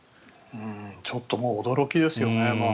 ちょっともう驚きですよね。